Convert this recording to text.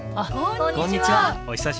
こんにちは！